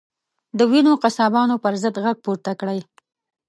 د وینو قصابانو پر ضد غږ پورته کړئ.